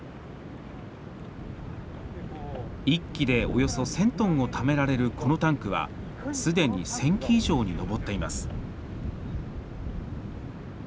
１基で、およそ１０００トンをためられる、このタンクはすでに１０００基以上に上っています。